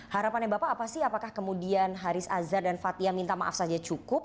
harapannya bapak apa sih apakah kemudian haris azhar dan fathia minta maaf saja cukup